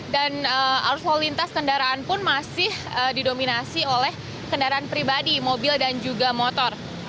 dan arus lalu lintas kendaraan pun masih didominasi oleh kendaraan pribadi mobil dan juga motor